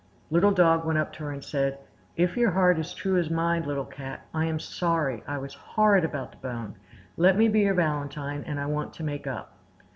Little Dog went up to her and said: "If your heart is true as mine, Little Cat, I am sorry I was horrid about the bone; let me be your valentine and I want to make up."